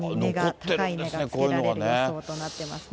高い値段がつけられる予想となっています。